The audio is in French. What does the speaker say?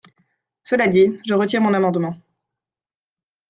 Cela dit, je retire mon amendement.